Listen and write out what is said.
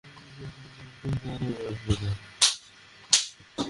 কুরাইশদের কেউ তাকে দেখতে পায় নি।